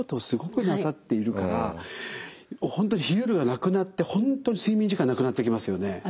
すごくなさっているから本当に昼夜がなくなって本当に睡眠時間なくなってきますよね。